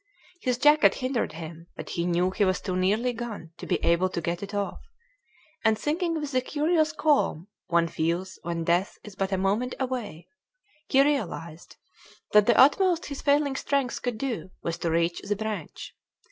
His jacket hindered him, but he knew he was too nearly gone to be able to get it off, and, thinking with the curious calm one feels when death is but a moment away, he realized that the utmost his failing strength could do was to reach the branch.